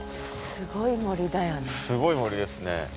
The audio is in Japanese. すごい森ですね。